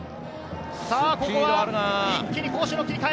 一気に攻守の切り替え。